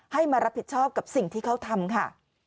ให้มารับผิดชอบกับสิ่งที่เขาทำค่ะ